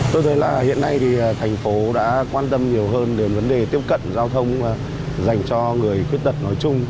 tôi thấy là hiện nay thì thành phố đã quan tâm nhiều hơn đến vấn đề tiếp cận giao thông dành cho người khuyết tật nói chung